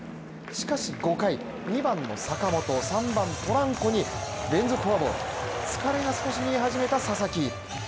しかし５回、２番の坂本３番ポランコに連続フォアボール疲れが少し見え始めた佐々木。